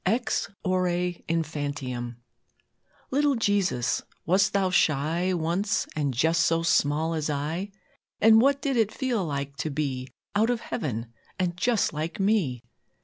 EX ORE INFANTIUM Little Jesus, wast Thou shy Once, and just so small as I? And what did it feel like to be Out of Heaven, and just like me?